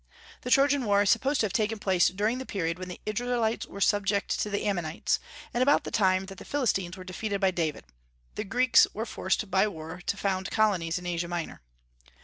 The Trojan war is supposed to have taken place during the period when the Israelites were subject to the Ammonites; and about the time that the Philistines were defeated by David, the Greeks were forced by war to found colonies in Asia Minor.